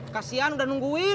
kasian udah nungguin